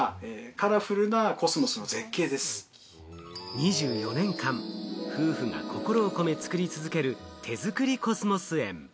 ２４年間、夫婦が心を込めて作り続ける手作りコスモス園。